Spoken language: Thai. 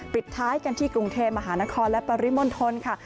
ปิดท้ายกันที่กรุงเทพมหานครและปริมณฑลค่ะ